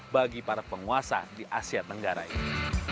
bagi para penguasa di asia tenggara ini